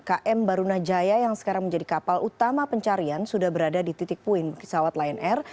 km barunajaya yang sekarang menjadi kapal utama pencarian sudah berada di titik puin pesawat lion air